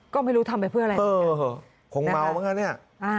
ก็ไม่รู้ทำไปเพื่ออะไรเออคงเมาเหมือนกันเนี่ย